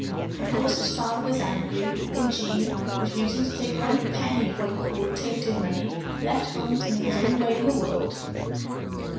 Of course his father was angry, and Jean, refusing to take one penny of what he called 'tainted' money, left home to make his own way in the world.